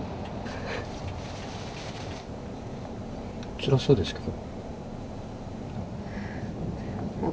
つらそうですけど。